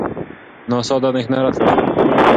ناسا دا اندېښنه رد کړه.